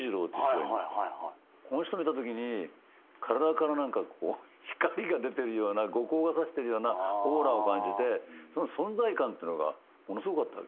この人見たときに体から何か光が出てるような後光が差してるようなオーラを感じてその存在感っていうのがものすごかった。